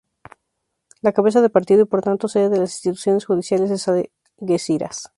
La cabeza de partido y por tanto sede de las instituciones judiciales es Algeciras.